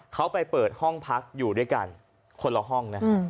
เขาไปเปิดห้องพักอยู่ด้วยกันคนละห้องนะ